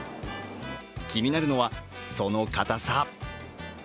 気になるのは、そのかたさ。